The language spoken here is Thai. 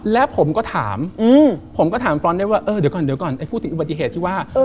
และผมก็ถามผมก็ถามฟรอนด์ได้ว่าเดี๋ยวก่อนพูดสิ่งอุบัติเหตุที่ว่า